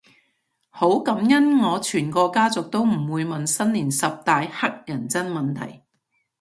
好感恩我全個家族都唔會問新年十大乞人憎問題